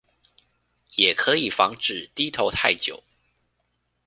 也可以防止低頭太久